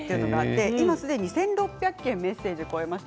今すでに１６００件メッセージ超えました。